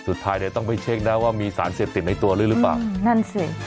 สุดท้ายต้องไปเช็กได้ว่ามีสารเสริฟติดในตัวอันยังไงหรือเปล่านั่นสิ